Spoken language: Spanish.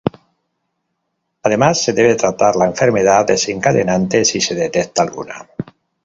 Además se debe tratar la enfermedad desencadenante si se detecta alguna.